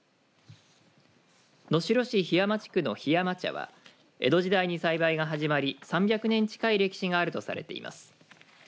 能代市檜山地区の檜山茶は江戸時代に栽培が始まり３００年近い歴史があるとされています。